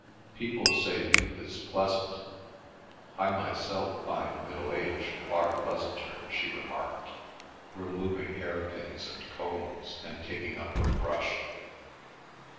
"People say youth is pleasant; I myself find middle age far pleasanter," she remarked, removing hair pins and combs, and taking up her brush.